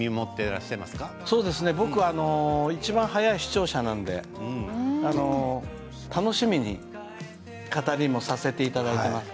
僕はいちばん早い視聴者なので楽しみに語りもさせていただいています。